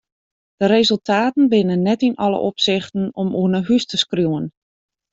De resultaten binne net yn alle opsichten om oer nei hús te skriuwen.